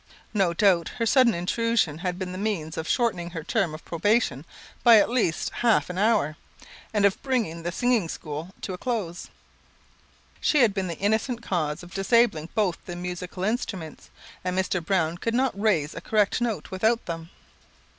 No doubt her sudden intrusion had been the means of shortening her term of probation by at least half an hour, and of bringing the singing school to a close. She had been the innocent cause of disabling both the musical instruments, and Mr. Browne could not raise a correct note without them.